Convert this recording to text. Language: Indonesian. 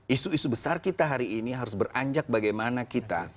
isu isu besar kita hari ini harus beranjak bagaimana kita